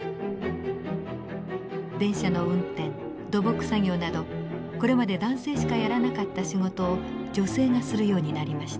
電車の運転土木作業などこれまで男性しかやらなかった仕事を女性がするようになりました。